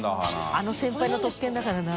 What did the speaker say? あの先輩の特権だからな。